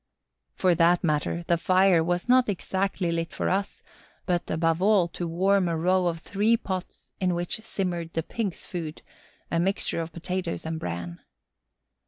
For that matter, the fire was not exactly lit for us, but, above all, to warm a row of three pots in which simmered the Pigs' food, a mixture of potatoes and bran.